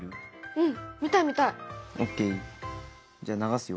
うん。